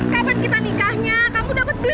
kapan kita akan menikah